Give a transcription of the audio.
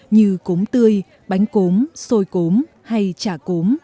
như cốm tươi bánh cốm xôi cốm hay chả cốm